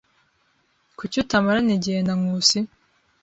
Kuki utamarana igihe na Nkusi?